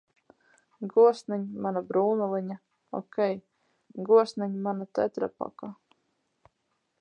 Gosniņ, mana brūnaliņa... Okei, gosniņ, mana tetrapaka!